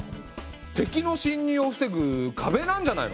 敵の侵入を防ぐかべなんじゃないの？